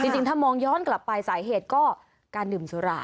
จริงถ้ามองย้อนกลับไปสาเหตุก็การดื่มสุรา